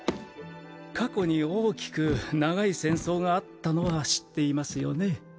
過去に大きく長い戦争があったのは知っていますよね？